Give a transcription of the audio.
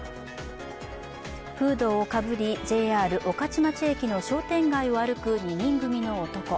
フードをかぶり、ＪＲ御徒町駅の商店街を歩く２人組の男。